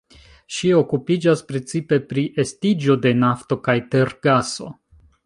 Ŝi okupiĝas precipe pri estiĝo de nafto kaj tergaso.